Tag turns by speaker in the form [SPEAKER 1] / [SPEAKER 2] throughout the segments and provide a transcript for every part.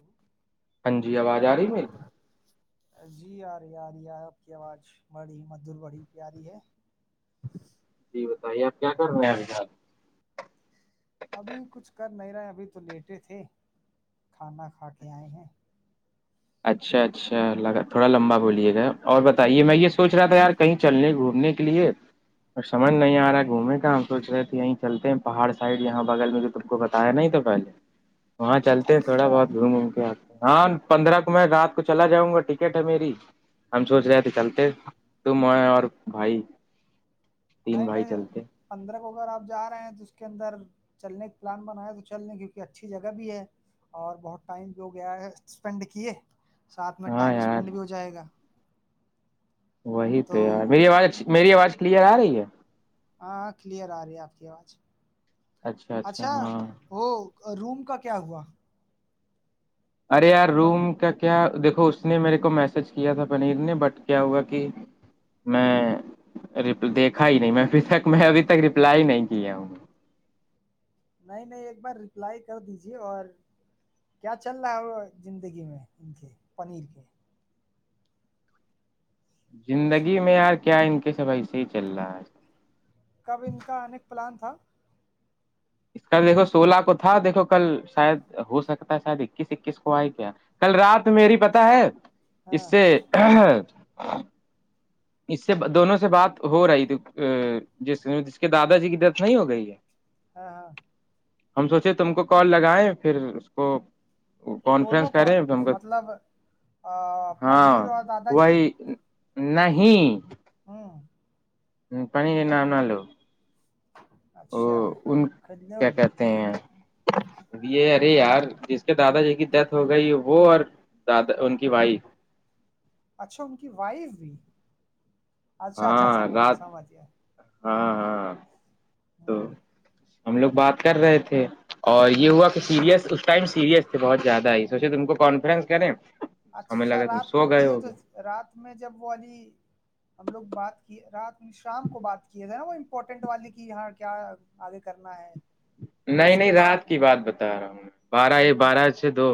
[SPEAKER 1] ہاں
[SPEAKER 2] ہاں جی آواز آ رہی میل
[SPEAKER 1] جی آیرے آار یہ آپ کی آواز بڑی مدھور بڑی پیاری ہے
[SPEAKER 2] جی بتائیے آپ کیا کر رہے ہیں ابھی یہ
[SPEAKER 1] ابھی کچھ کر نہیں رہے ہیں ابھی تو لیٹے تھے کھانا کھا کے آئے ہیں
[SPEAKER 2] اچھا اچھا لگا تھوڑا لمبا بولیے گا اور بتائیے میں یہ سوچ رہا تھا یار کہیں چلنے گھومنے کے لیے سمجھ نہیں آ رہا ہے گھومے کا ہم سوچ رہے تھے یہیں چلتے ہیں پہاڑ سائڈ یہاں بغل میں ت کو بتایا نہیں تو پہلے وہاں چلتے ہیں تھوڑا
[SPEAKER 1] اچھا
[SPEAKER 2] بہت گھوم ووم کے آتے ہاں پندرہ میں رات کو چلا جاؤں گا ٹکٹ ہے میری ہم سوچ رہے تھے چلتے تو میں اور بھائی تین
[SPEAKER 1] نہیں
[SPEAKER 2] بھائی
[SPEAKER 1] نہیں
[SPEAKER 2] چلتے
[SPEAKER 1] پندرہ کو اگر آپ جا رہے ہیں تو اس کے اندر چلنے کے پلان بنایا تو چلنے کیونکہ اچھی جگہ بھی ہے اور بہت ٹائم بھی ہو گیا ہے اسپینڈ کیے ساتھ میں
[SPEAKER 2] ہاں
[SPEAKER 1] ٹائم
[SPEAKER 2] یار
[SPEAKER 1] اسپینڈ بھی ہو جائے گا
[SPEAKER 2] وہی تو یار میری آواز ا میری آواز کلیئر آ رہی ہے
[SPEAKER 1] ہاں کلیئر آ رہی ہے آپ کی آواز
[SPEAKER 2] اچھا اچھا ہاں
[SPEAKER 1] ہو روم کا کیا ہوا
[SPEAKER 2] ارے یار
[SPEAKER 1] آپ
[SPEAKER 2] روم کا کیا دیکھو اس نے میرے کو میسج کیا تھا پنیر نے بٹ کیا ہوا کہ میں دیکھا ہی نہیں میں ابھی تک میں ابھی تک رپلائی نہیں کیا ہوں
[SPEAKER 1] نہیں نہیں ایک بار رپلائی کر دیجیے اور کیا چل رہا ہے زندگی میں ان کے پنیر کے کچھ
[SPEAKER 2] زندگی میں یار کیا ان کے سب ایسے ہی چل رہا ہے
[SPEAKER 1] کب ان کا آنے کا پلان تھا
[SPEAKER 2] اس کل دیکھو سولہ کو تھا دیکھو کل شاید ہو سکتا ہے شاید اکیس اکیس کو آئے کیا کل رات میری پتہ ہے
[SPEAKER 1] ہاں
[SPEAKER 2] اس سے اس سے دونوں سے بات ہو رہی تھی ا جس جس کے دادا جی کی ڈیتھ نہیں ہو گئی [inaudible]
[SPEAKER 1] ہاں ہاں
[SPEAKER 2] ہم سوچے تم کو کال لگائے پھر اس کو
[SPEAKER 1] تو
[SPEAKER 2] کانفرنس
[SPEAKER 1] دونوں
[SPEAKER 2] کر رہے
[SPEAKER 1] کون
[SPEAKER 2] ہیں ہم کو
[SPEAKER 1] مطلب آ،
[SPEAKER 2] ہاں
[SPEAKER 1] پنیر اور دادا جی
[SPEAKER 2] وہی نہیں
[SPEAKER 1] ہاں
[SPEAKER 2] پانی ن آنا لو ا
[SPEAKER 1] اچھا
[SPEAKER 2] ان
[SPEAKER 1] خرید
[SPEAKER 2] کیا
[SPEAKER 1] لو
[SPEAKER 2] کہ تین یہ ارے یار جس کے دادا جی کی ڈیتھ ہو گئی وہ اور دادا ان کی بھائی
[SPEAKER 1] اچھا ان کی وائف بھی اچھا اچھا
[SPEAKER 2] ہاں
[SPEAKER 1] سمجھے
[SPEAKER 2] رات
[SPEAKER 1] سمجھے
[SPEAKER 2] ہاں ہاں تو
[SPEAKER 1] ہوں
[SPEAKER 2] ہم لوگ بات کر رہے تھے اور یہ
[SPEAKER 1] ہوں
[SPEAKER 2] ہوا سیریس اس ٹائم سیریس تھے بہت زیادہ آئی سوچے تم کو کانفرنس کریں ہمیں
[SPEAKER 1] اچھا
[SPEAKER 2] لگا تم
[SPEAKER 1] رات
[SPEAKER 2] سو
[SPEAKER 1] میں
[SPEAKER 2] گئے
[SPEAKER 1] کیے تو
[SPEAKER 2] ہوگے
[SPEAKER 1] رات میں جب وہ والی ہم لوگ بات کی رات میں شام کو بات کیے تھائے نا وہ امپورٹنٹ والے کی یہاں کیا آگے کرنا ہے تو
[SPEAKER 2] نہیں
[SPEAKER 1] اس کے
[SPEAKER 2] نہیں رات
[SPEAKER 1] بعد
[SPEAKER 2] کی بات بتا رہا ہوں میں بارہ
[SPEAKER 1] سر
[SPEAKER 2] یا بارہ سے دو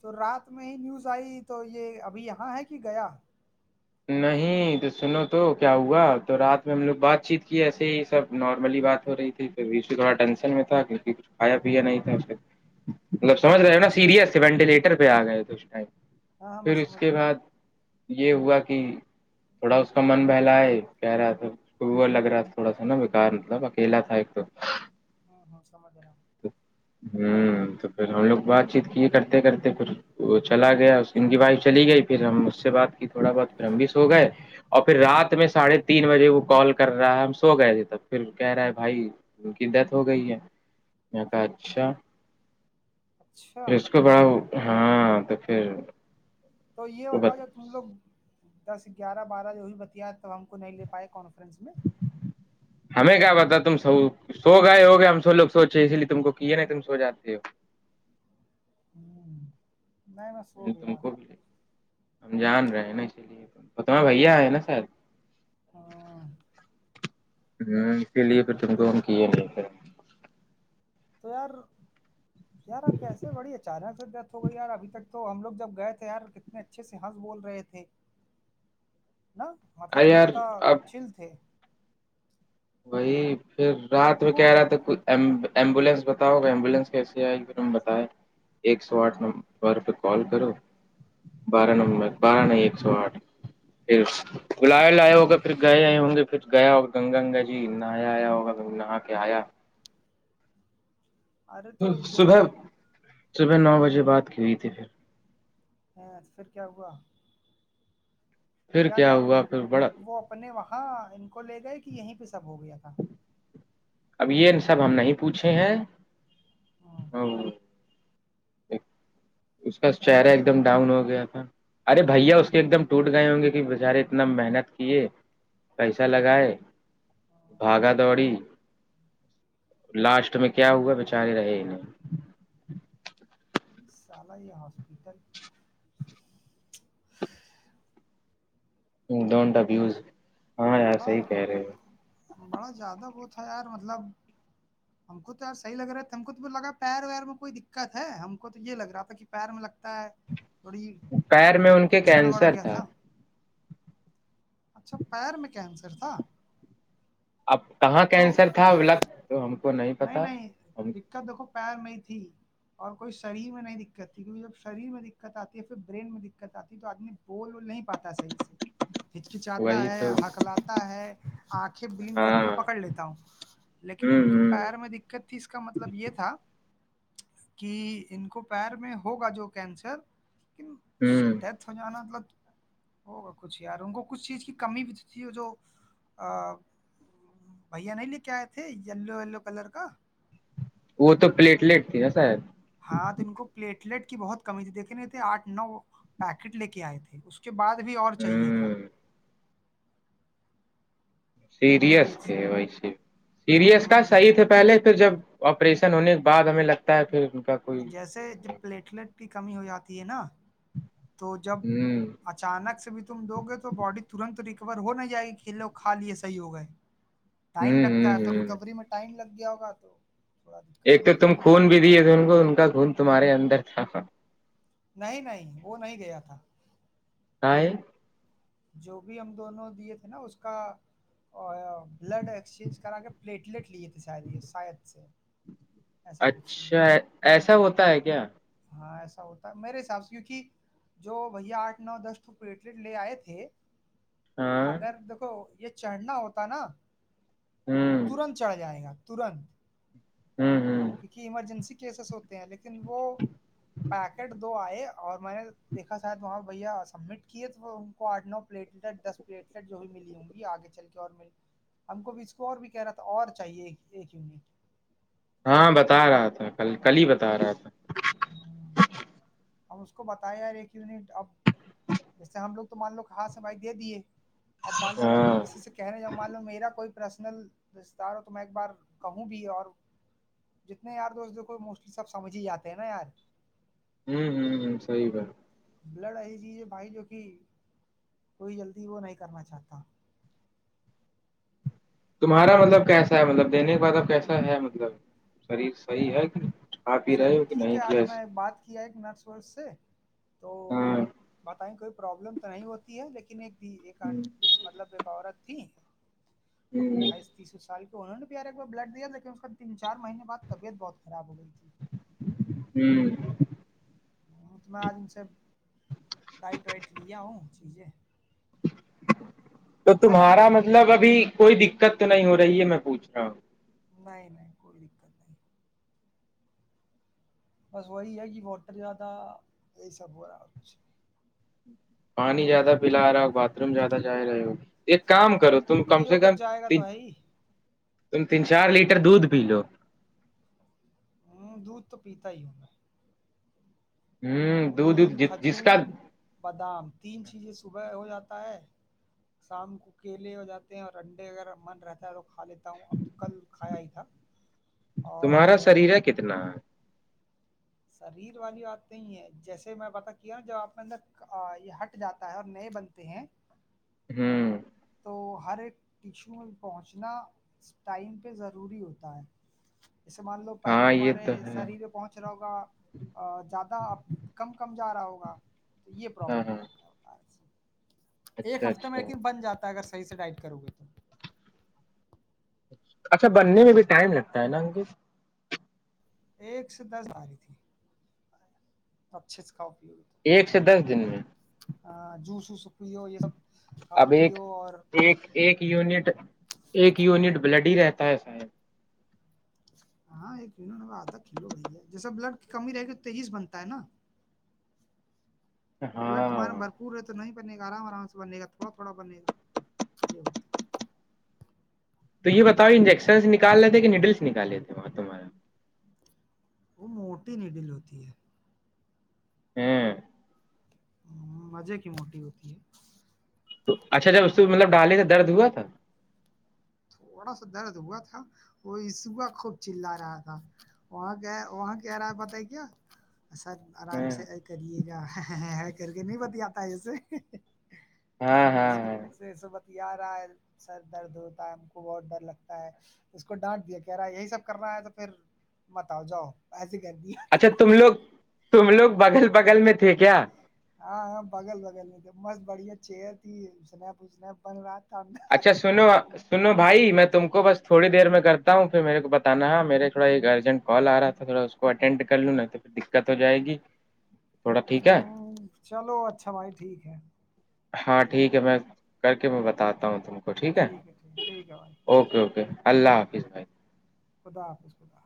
[SPEAKER 1] تو رات میں ہی نیوز آئی تو یہ ابھی یہاں ہے کہ گیا
[SPEAKER 2] نہیں تو سنو تو کیا ہوا تو رات میں ہم لوگ بات چیت کی ایسے ہی سب نارملی ہی بات ہو رہی تھی اس تھوڑا ٹینشن میں تھا کیک کچھ کھایا پیا نہیں تھا اسے مطلب سمج رہے ہیں نا سیریس تھ وینٹیلیٹر پہ آ گئے تھے اس ٹائم
[SPEAKER 1] ہاں ہاں میں
[SPEAKER 2] پھر اس
[SPEAKER 1] سمجھ
[SPEAKER 2] کے
[SPEAKER 1] رہا ہوں
[SPEAKER 2] بعد یہ ہوا کہ تھوڑا اس کا من بہلا ہے کہہ رہا تھا گ لگ رہا تھا تھوڑا سا نا ب کار ب کہیلا تھا آ ایکک تو
[SPEAKER 1] ہاں ہاں سمجھ رہا ہوں
[SPEAKER 2] ہ تو پھر ہم لوگ بات چیت کیے کرتے کرتے پھر وہ چلا گیا گیا ان کی وائف چلی گئی پھر ہم اس سے بعد کی تھوڑا بہت پھر ہمب س ہو گئے اور پھر رات میں ساڑھے تین بجے وہ کال کر رہا ہے ہم سو گئے تھے تب پھر کہہ رہا ہے بھائی ان کی ڈیتھ ہو گئی ہے میں کہ اچھا پھر
[SPEAKER 1] اچھا
[SPEAKER 2] اس کو بڑا ہاں تو پھر
[SPEAKER 1] تو یہ
[SPEAKER 2] وہ
[SPEAKER 1] ہوتا
[SPEAKER 2] بت
[SPEAKER 1] جو تم لوگ دس گیارہ بارہ جو بھی بتیا تو ہم کو نہیں لے پائے کانفرنس میں
[SPEAKER 2] ج ہمیں کیا بتا تم س سو گئے ہو گئے ہم سو لو سوچے اسی لیے تم کو کیے ن تم سو جاتے ہو
[SPEAKER 1] ہوں نہیں میں سو
[SPEAKER 2] تم
[SPEAKER 1] رہا
[SPEAKER 2] کو
[SPEAKER 1] تھا
[SPEAKER 2] بھی ہم جان رہے ہیں نا اسی لیے تمہارے بھیا آئے نا شاید
[SPEAKER 1] ہاں
[SPEAKER 2] ہوں اسی لیے پھر تم کو ہم کیے
[SPEAKER 1] تویار
[SPEAKER 2] [inaudible]
[SPEAKER 1] یار آ کیسے بڑی اچانک سے ڈتھ گئییار ابھی تک تو ہم لوگ جب گئے تھے یار کتنے اچھے سے ہنس بول رہے تھے
[SPEAKER 2] [inaudible]
[SPEAKER 1] نا مطلب
[SPEAKER 2] ارے یار
[SPEAKER 1] کتنا
[SPEAKER 2] اب
[SPEAKER 1] چل تھے
[SPEAKER 2] وہی پھر
[SPEAKER 1] ان
[SPEAKER 2] رات میں
[SPEAKER 1] کو
[SPEAKER 2] کہہ رہا تھا ک ایمبولینس بتاؤ گے ایمبولینس کیسی آئے تم بتیں ایک سو آٹھ نمبر پہ کال کرو بارہ نمبر بارہ ایک سو آٹھ پھر بل لیا ہوگا پھر گئے آئے ہوں گے پھر گیا اور گنگا گنگا جی نہایا آیا ہوگا نہا کے آیا
[SPEAKER 1] ارے
[SPEAKER 2] پھر
[SPEAKER 1] تو یہ
[SPEAKER 2] صبح صبح نو بجے بات کی ہوئی تھی پھر
[SPEAKER 1] تو پھر کیا ہوا
[SPEAKER 2] پھر
[SPEAKER 1] کیا ن
[SPEAKER 2] ہوا پھر بڑا
[SPEAKER 1] وہ اپنے وہاں ان کو لے گئے کہ یہیں پہ سب ہو گیا تھا
[SPEAKER 2] اب یہ سب ہم نہیں پوچھے ہیں
[SPEAKER 1] ہاں
[SPEAKER 2] اور اس کا
[SPEAKER 1] نہیں
[SPEAKER 2] چہرہ ایک دم
[SPEAKER 1] نہیں
[SPEAKER 2] ڈاؤن ہو گیا تھا ارے بھیا اس کے ایک دم ٹوٹ گئے ہوں گے کہ بیچارے اتنا محنت کیے پیسہ لگائے بھاگا دوڑی لاسٹ میں کیا ہوا بیچارے رہےہ
[SPEAKER 1] سالہ ہاسپیٹل
[SPEAKER 2] ڈونٹا بیوز
[SPEAKER 1] بڑا بڑا زیادہ وہ تھا یار مطلب ہم کو تو ار صح لگ رہا تھا ہم کو تو لگا پیر ویر میں کوئی دقت ہے ہم کو تو یہ لگ رہا تھا کہ پیر میں لگتا ہے اورڑی
[SPEAKER 2] پیر میں ان کے
[SPEAKER 1] کچھ چڑھ بڑھ
[SPEAKER 2] کینسر
[SPEAKER 1] گیا تھا اچھا پیر میں کینسر تھا
[SPEAKER 2] اب کہاں
[SPEAKER 1] تو
[SPEAKER 2] کینسر تھا لگ تو ہم کو نہیں
[SPEAKER 1] نہیں
[SPEAKER 2] پتا
[SPEAKER 1] نہیں
[SPEAKER 2] ہم
[SPEAKER 1] دقت دیکھو پیر میں ہی تھی اور کوئی شریر میں نہیں دقت تھی کیونکہ جب شریر میں دقت آتی ہے پھر برین میں دقت آتی ہے تو آدمی بولول نہیں پاتا صحیح سے ہچکچاتا
[SPEAKER 2] وہی
[SPEAKER 1] ہے
[SPEAKER 2] تو
[SPEAKER 1] حقلات ہے آنکھیں بلگ
[SPEAKER 2] ہاں
[SPEAKER 1] کرتی ہوں میں پکڑ لیتا ہوں
[SPEAKER 2] ہ
[SPEAKER 1] لیکن ان کے پ
[SPEAKER 2] ہ
[SPEAKER 1] پیر میں دقت تھی اس کا مطلب یہ تھا کہ ان کو پیر میں ہوگا جو کینسر لیکن
[SPEAKER 2] ہ
[SPEAKER 1] اس سے ڈیتھ ہو جانا مطلب ہوگا کچھ یار ان کو کچھ چیز کی کمی بھی تو تھی جو بھیا نہیں لے کے آئے تھے یلو یلو کلر کا
[SPEAKER 2] وہ تو پلیٹلیٹ تھی نا صاب
[SPEAKER 1] ہاں تو ان کو پلیٹلیٹ کی بہت کمی تھی دیکھے نہیں تھے آٹھ نو پیکٹ لے کے آئے تھے اس کے بعد بھی اور چاہیے تھا
[SPEAKER 2] ہ
[SPEAKER 1] یہ
[SPEAKER 2] سیریس
[SPEAKER 1] چ-
[SPEAKER 2] تھے ویسے سیریس کا
[SPEAKER 1] ہوں
[SPEAKER 2] صحیح تھے پہلے تو جب آپریشن ہونے کے بعد ہمیں لگتا ہے پھر کوئی
[SPEAKER 1] جیسے جب پلیٹلیٹ کی کمی ہو جاتی ہے نا تو جب
[SPEAKER 2] ہوں
[SPEAKER 1] اچانک سے بھی تم دو گے تو باڈی ترنت ریکور ہو نہیں جائے گی کھیلو کھا لیے صحیح ہوگئے
[SPEAKER 2] [inaudible]
[SPEAKER 1] ٹائم لگتا ہے تو
[SPEAKER 2] ہ ہ
[SPEAKER 1] ریکوری میں ٹائم لگ گیا ہوگا تو تھوڑا
[SPEAKER 2] ایک
[SPEAKER 1] دقت
[SPEAKER 2] تو
[SPEAKER 1] ہو
[SPEAKER 2] تم
[SPEAKER 1] گئی
[SPEAKER 2] خون بھی دیے تھ ان کو ان کا خون تمہارے اندر تھا
[SPEAKER 1] نہیں نہیں وہ نہیں گیا تھا
[SPEAKER 2] کا
[SPEAKER 1] جو بھی ہم دونوں دیے تھے نا اس کا او بلڈ ایکسچینج کرا کے پلیٹلیٹ لیے تھے شاید یہ شاید سے ایسا کچھ سین
[SPEAKER 2] اچھا
[SPEAKER 1] تھا
[SPEAKER 2] ایسا ہوتا ہے کیا
[SPEAKER 1] ہاں ایسا ہوتا ہے میرے حساب سے کیونکہ جو بھیا آٹھ نو دس تو پلیٹلیٹ لے آئے تھے
[SPEAKER 2] ہاں
[SPEAKER 1] اگر دیکھو یہ چڑھنا ہوتا نا تو
[SPEAKER 2] ہوں
[SPEAKER 1] ترنت چڑھ جائے گا تورنت
[SPEAKER 2] ہوں ہوں
[SPEAKER 1] کیونکہ ایمرجنسی کیسز ہوتے ہیں لیکن وہ پیکٹ دو آئے اور میں نے دیکھا شاید وہاں بھیا سبمٹ کیے تو ہم کو آٹھ نو پلیٹلیٹ دس پلیٹلیٹ جو بھی ملی ہوں گی آگے چل کے اور مل ہم کو بھی اس کو اور بھی کہہ رہا تھا اور چاہیے ایک یونٹ
[SPEAKER 2] ہاں بتا رہا تھا کل کل ہی بتا رہا تھا
[SPEAKER 1] نون ہم اس کو بتائے یار ایک یونٹ اب جیسے ہم لوگ تو مان لو کہ ہاں س بھائی دے دیے اب مان لوم اگر
[SPEAKER 2] ہاں
[SPEAKER 1] کسی سے کہنے مان ل میرا کوئی پرسنل رستار ہو تو میں ایک بار کہوں بھی اور جتنے یار دوست دھو موسٹلی سب سمجھ ہی جے ہیں نا یار
[SPEAKER 2] ہوں سی بات
[SPEAKER 1] بلڈ ایسی چیز ہے بھائی جو کہ کوئی جلدی وہ نہیں کرنا چاہتا
[SPEAKER 2] تمہارا مطلب کیسا ہے مطلب دینے کا بعدہ کیسا ہے مطلب شریر صحیح ہے کہ آپ ہی
[SPEAKER 1] سر
[SPEAKER 2] رہے
[SPEAKER 1] یہ
[SPEAKER 2] ہو کہ
[SPEAKER 1] ٹھیک
[SPEAKER 2] نہیں
[SPEAKER 1] ہے آج
[SPEAKER 2] کیا
[SPEAKER 1] میں بات کیا ہے ایک نرس ورس سے تو
[SPEAKER 2] ہاں
[SPEAKER 1] بتائیں کوئی پرابلم تو نہیں ہوتی ہے لیکن ایک بھی ایک
[SPEAKER 2] ہ
[SPEAKER 1] مطلب ایک عورت تھی
[SPEAKER 2] ہ
[SPEAKER 1] اٹھائیس تیس سال کے انہوں نے یار ایک بار بلڈ دیا لیکن اس چارہنے بعد طبعت بہت خراب ہو گئی تھی
[SPEAKER 2] ہوں
[SPEAKER 1] ہ تو میں آج ان سے ڈائٹ وائٹ لیا ہوں چیزیں
[SPEAKER 2] تو
[SPEAKER 1] ارے ہم کو
[SPEAKER 2] تمہارا
[SPEAKER 1] کوئی دقت
[SPEAKER 2] مطلب
[SPEAKER 1] نہیں
[SPEAKER 2] ابھی کوئی دقت تو نہیں ہو رہی ہے میں پوچھ رہا ہوں
[SPEAKER 1] نہیں نہیں کوئی دقت نہیں بس وہی ہے کہ ووٹر زیادہ یہی سب ہو رہا ہے اور کچھ
[SPEAKER 2] پانی زیادہ پلا رہا بات تم زیادہ جا رہے ہو ایک
[SPEAKER 1] اب
[SPEAKER 2] کام
[SPEAKER 1] جو
[SPEAKER 2] کرو تم کم
[SPEAKER 1] پیو
[SPEAKER 2] سے
[SPEAKER 1] کا
[SPEAKER 2] کم
[SPEAKER 1] جائے گا
[SPEAKER 2] تین
[SPEAKER 1] تو ہے ہی
[SPEAKER 2] تم تین چار لیٹر دودھ پی لو
[SPEAKER 1] ہوں دودھ تو پیتا ہی ہوں میں
[SPEAKER 2] ہ
[SPEAKER 1] دودھ
[SPEAKER 2] جس
[SPEAKER 1] کھجور
[SPEAKER 2] کا
[SPEAKER 1] بادام تین چیزیں صبح ہو جاتا ہے شام کو کیلے ہو جاتے ہیں اور انڈے اگر من رہتا ہے تو کھا لیتا ہوں اب تو کل کھایا ہی تھا اور
[SPEAKER 2] تمہارا شریر ہے کتنا ہے
[SPEAKER 1] شریر والی بات نہیں ہے جیسے میں پتا کیا جب آپ نے اندر یہ ہ جاتا ہے اور نئے بنتے ہیں
[SPEAKER 2] ہوں
[SPEAKER 1] تو ہر ایک ٹیچو پہنچنا اس ٹائم پہ ضروری ہوتا ہے جسے مان لو پہلے
[SPEAKER 2] ہاں یہ
[SPEAKER 1] تمہارے
[SPEAKER 2] تو ہے
[SPEAKER 1] شریر بہت اچ رہا ہوگا زیادہ اب کم کم جا رہا ہوگا تو یہ
[SPEAKER 2] ہاں
[SPEAKER 1] پرابلم
[SPEAKER 2] ہاں
[SPEAKER 1] تھا ایک
[SPEAKER 2] اچھا
[SPEAKER 1] ہفتے میں
[SPEAKER 2] اچھا
[SPEAKER 1] لیکن بن جاتا ہے اگر صحیح سے ڈائٹ کرو گے تو
[SPEAKER 2] اچھا بننے میں بھی ٹائم لگتا ہے نا انک
[SPEAKER 1] ایک سے دس باری تھی اچھے سے کھاؤ پیو
[SPEAKER 2] ایک سے دس دن میں
[SPEAKER 1] ہ جوس وس پی ہو یہ سب کھاؤ
[SPEAKER 2] اب ایک
[SPEAKER 1] پیو اور
[SPEAKER 2] ایک ایک یونٹ ایک یونٹ بلڈ ہی رہتا ہے اس میں
[SPEAKER 1] ہاں ایک کلو آدھا کلو وہی ہے جیسا بلڈ کی کمی رہے گی تو تیزیس بنتا ہے نا اب بلٹ
[SPEAKER 2] ہاں
[SPEAKER 1] تمہارے بھرپور رہ تو نہیں بنے گا آرام آرام سے بنے گا تھوڑا تھوڑا بنے گا یہ ہوتا ہے
[SPEAKER 2] تو یہ بتاؤ انجیکشنس نکالے تھے کہ نیڈلس نکالے تھےاں
[SPEAKER 1] وہ موٹی نیڈل ہوتی ہے
[SPEAKER 2] ہاں
[SPEAKER 1] مزے کی موٹی ہوتی ہے
[SPEAKER 2] تو اچھا جب اس پ مطلب ڈھالے کا درد ہوا تھا
[SPEAKER 1] تھوڑا سا درد ہوا تھا وہ سوا خوب چللا رہا تھا وہاں کیا وہاں کیا رہا ہے بت ہے کیا سر آرام
[SPEAKER 2] ہاں
[SPEAKER 1] سے ایے کریے گا ای کر کے نہیں بت آتا اسے
[SPEAKER 2] ہاں ہاں
[SPEAKER 1] بس کے
[SPEAKER 2] ہاں
[SPEAKER 1] ایسے ایسے بتیا رہا ہے سر درد ارد ہم کو بہت ڈر لگتا ہے اس کو ڈانٹ، ہیدیا کہہ رہا یہی سب کرنا ہے تو پھر مت آو جاؤ ایسے کہتی ہے
[SPEAKER 2] اچھا تم لوگ تم لوگ بگل بغل میں تھے کیا
[SPEAKER 1] ہاں ہاں بگل بغل میں تھ مست بڑھیا چیئر تھی اسنیپنپ بن رہا تھا
[SPEAKER 2] اچھا سنو سنو بھائی میں تم کو بس تھوڑی دیر میں کرتا ہوں پھر میرے کو بتانا ہے میرے تھوڑا ایک اجنٹ کال آ رہا تھا تھوڑا اس کو اٹینڈ کر لوں نا تو پھر دقت ہو جائے گی تھوڑا
[SPEAKER 1] ہ
[SPEAKER 2] ٹھیک ہے
[SPEAKER 1] چلو اچھا بھائی ٹھیک ہے
[SPEAKER 2] ہاں ٹھیک ہے میں کر کے میں بتاتا ہوں تم کو ٹھیک ہے
[SPEAKER 1] ٹھیک ٹھیک ہے بھائی
[SPEAKER 2] اوکے اوکے اللہ حافظ بھائی
[SPEAKER 1] خدا حافظ خدا